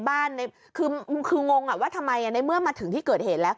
บ้านในคือคืองงอ่ะว่าทำไมอ่ะในเมื่อมาถึงที่เกิดเหตุ